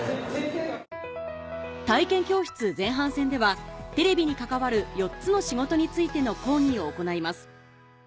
体験教室前半戦ではテレビに関わる４つの仕事についての講義を行います